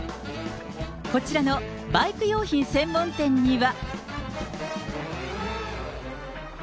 こちらのバイク用品専門店には。